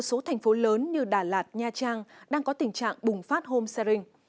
một số thành phố lớn như đà lạt nha trang đang có tình trạng bùng phát home sharing